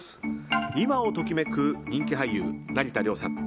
今を時めく人気俳優・成田凌さん。